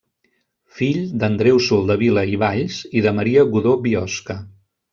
Fill d'Andreu Soldevila i Valls i de Maria Godó Biosca.